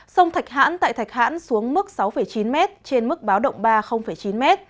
sông thạch hãn tại thạch hãn xuống mức sáu chín m trên mức báo động ba chín m